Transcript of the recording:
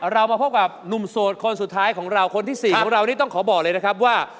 เรามาพบกับหนุ่มโสดคนสุดท้ายของเราคนที่๔ของเรานี่ต้องขอบอกเลยนะครับว่า